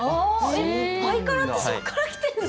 えっハイカラってそっからきてるの？